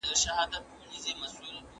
ډاکټره اوږده پاڼه ړنګه کړه.